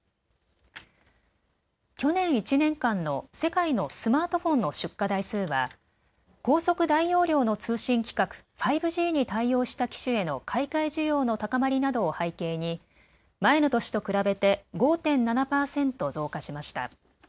去年１年間の世界のスマートフォンの出荷台数は高速・大容量の通信規格、５Ｇに対応した機種への買い替え需要の高まりなどを背景に前の年と比べて５．７％増加しました。